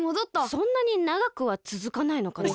そんなにながくはつづかないのかな。